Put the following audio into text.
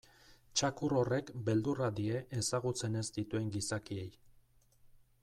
Txakur horrek beldurra die ezagutzen ez dituen gizakiei.